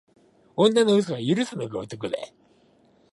女の嘘は許すのが男だ。